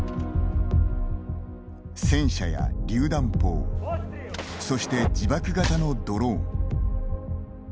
戦車やりゅう弾砲そして自爆型のドローン。